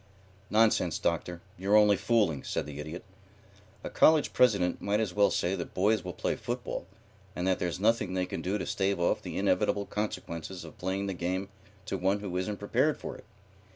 "Nonsense, Doctor. You're only fooling," said the Idiot. "A college president might as well say that boys will play football, and that there's nothing they can do to stave off the inevitable consequences of playing the game to one who isn't prepared for it.